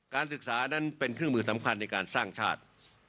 ศึกษานั้นเป็นเครื่องมือสำคัญในการสร้างชาติ